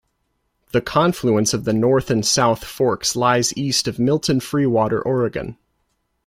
The confluence of the North and South Forks lies east of Milton-Freewater, Oregon.